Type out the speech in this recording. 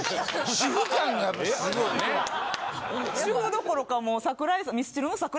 主婦どころかもう。